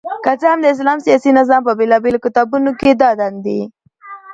که څه هم د اسلام سياسي نظام په بيلابېلو کتابونو کي دا دندي